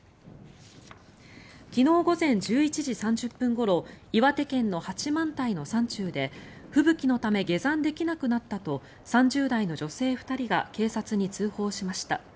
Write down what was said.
昨日午前１１時３０分ごろ岩手県の八幡平の山中で吹雪のため下山できなくなったと３０代の女性２人が警察に通報しました。